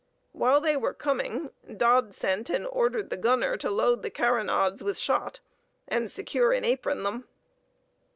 While they were coming, Dodd sent and ordered the gunner to load the carronades with shot, and secure and apron them....